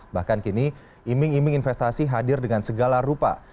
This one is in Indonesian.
bahkan kini iming iming investasi hadir dengan segala rupa